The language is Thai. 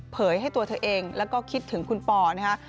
ให้ตัวเธอเองแล้วก็คิดถึงคุณปอนะฮะ